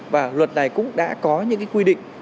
và luật này cũng đã có những quy định